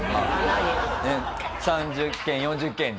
３０件４０件じゃ。